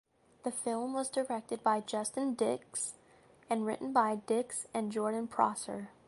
The film was directed by Justin Dix and written by Dix and Jordan Prosser.